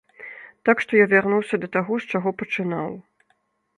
Так што я вярнуўся да таго, з чаго пачынаў.